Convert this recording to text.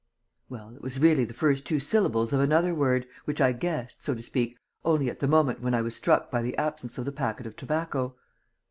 Well, it was really the first two syllables of another word, which I guessed, so to speak, only at the moment when I was struck by the absence of the packet of tobacco."